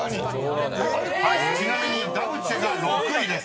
［はいちなみに「ダブチェ」が６位です。